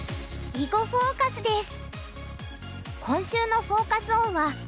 「囲碁フォーカス」です。